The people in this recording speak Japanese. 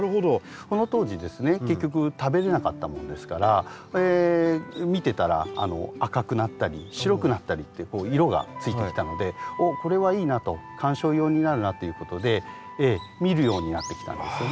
その当時ですね結局食べれなかったものですから見てたら赤くなったり白くなったりってこう色がついてきたので「おっこれはいいな」と「観賞用になるな」ということで見るようになってきたんですよね。